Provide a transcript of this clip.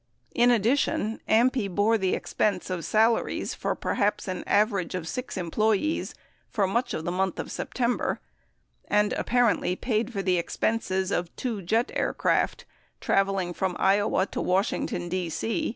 In addition, AMPI bore the expense of salaries for perhaps an average of six employees for much of the month of September, and apparently paid for the expenses of two jet aircraft traveling from Iowa to Washington, D.C.